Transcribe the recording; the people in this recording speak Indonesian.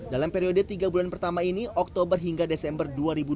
dalam periode tiga bulan pertama ini oktober hingga desember dua ribu dua puluh